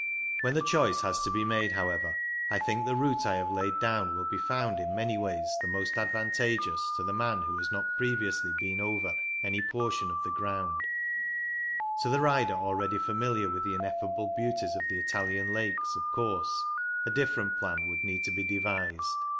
When the choice has to be made, however, I think the route I have laid down will be found in many ways the most advantageous to the man who has not previously been over any portion of the ground; to the rider already familiar with the ineffable beauties of the Italian Lakes, of course, a different plan would need to be devised.